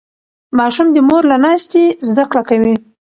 ماشوم د مور له ناستې زده کړه کوي.